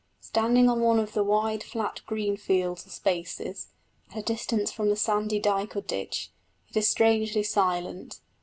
Standing on one of the wide flat green fields or spaces, at a distance from the sandy dyke or ditch, it is strangely silent.